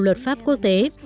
luật pháp quốc tế